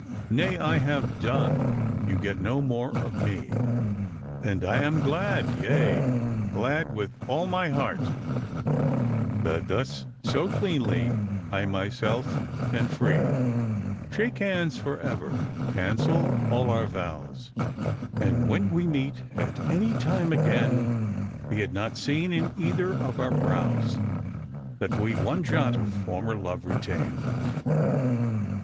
liay, I have done ; you get no more of me ; And I am glad, yea, glad with all my heart, That thus so cleanly I myself can free ; Shake hands for ever, cancel all our vows, And when we meet at any time again, Be it not seen in either of our brows That we one jot of former love retain."